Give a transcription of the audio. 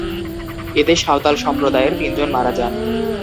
এতে সাঁওতাল সম্প্রদায়ের তিনজন মারা যান।